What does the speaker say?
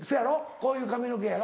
こういう髪の毛やろ？